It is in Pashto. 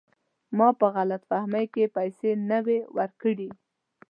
ما په غلط فهمۍ کې پیسې نه وې ورکړي.